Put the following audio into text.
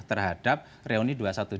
terhadap reuni dua ratus dua belas